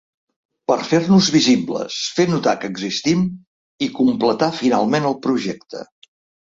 Per fer-nos visibles, fer notar que existim i completar finalment el projecte.